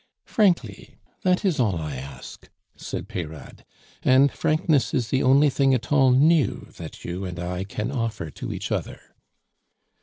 "Frankly that is all I ask," said Peyrade, "and frankness is the only thing at all new that you and I can offer to each other."